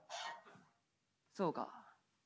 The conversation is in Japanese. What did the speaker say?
「そうか。